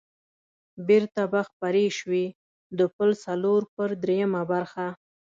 بېرته به خپرې شوې، د پل څلور پر درېمه برخه.